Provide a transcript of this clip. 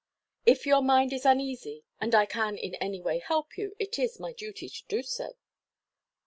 If your mind is uneasy, and I can in any way help you, it is my duty to do so."